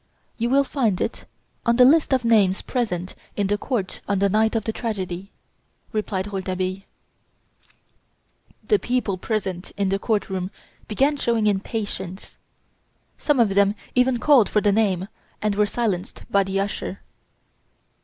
"You will find it on the list of names present in the court on the night of the tragedy," replied Rouletabille. The people present in the court room began showing impatience. Some of them even called for the name, and were silenced by the usher.